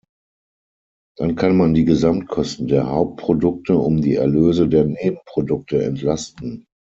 Dann kann man die Gesamtkosten der Hauptprodukte um die Erlöse der Nebenprodukte entlasten.